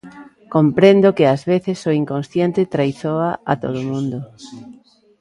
Comprendo que ás veces o inconsciente traizoa a todo o mundo.